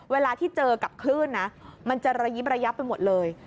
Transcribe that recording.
เวลาที่เจอกับคลื่นนะมันจะระยิบระยับไปหมดเลย